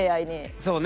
そうね